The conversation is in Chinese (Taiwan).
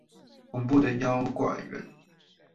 恐怖的妖怪遠足